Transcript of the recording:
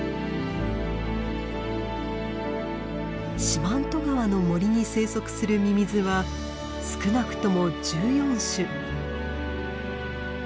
四万十川の森に生息するミミズは少なくとも１４種。